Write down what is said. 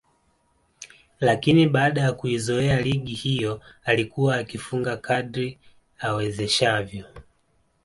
lakini baada ya kuizoea ligi hiyo alikuwa akifunga kadri awezeshavyo